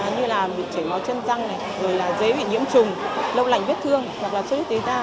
như là bị chảy màu chân răng dế bị nhiễm trùng lâu lành vết thương hoặc là chất vết tế da